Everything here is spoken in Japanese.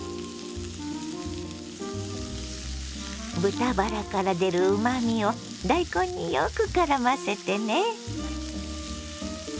豚バラから出るうまみを大根によくからませてね。